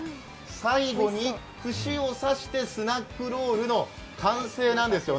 最後に、串を刺してスナックロールの完成なんです。